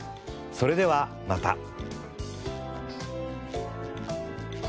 それではまた。